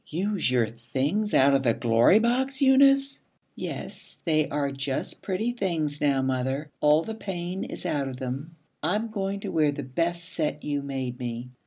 'Use your things out of your Glory Box, Eunice!' 'Yes, they are just pretty things, now, mother. All the pain is out of them. I'm going to wear the best set you made me.